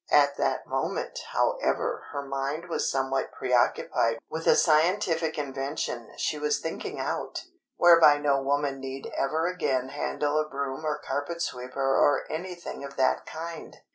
At that moment, however, her mind was somewhat pre occupied with a scientific invention she was thinking out, whereby no woman need ever again handle a broom or carpet sweeper or anything of that kind.